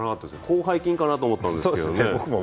広背筋かなと思ったんですけどね。